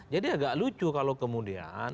jadi agak lucu kalau kemudian